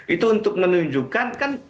itu untuk menunjukkan kan